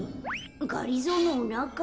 がりぞーのおなか？